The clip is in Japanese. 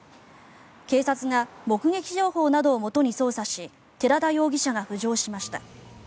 警察が目撃情報などをもとに捜査し寺田容疑者が浮上しました。